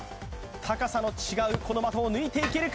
高さの違うこの的を抜いていけるか？